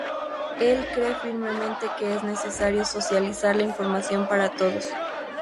Él cree firmemente que es necesario socializar la información para todos.